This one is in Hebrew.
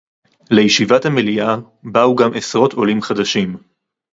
לישיבת המליאה באו גם עשרות עולים חדשים